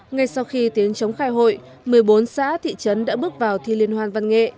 ngay sau khi tiếng chống khai hội một mươi bốn xã thị trấn đã bước vào thi liên hoan văn nghệ